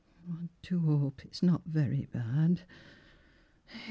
I do hope it's not very bad!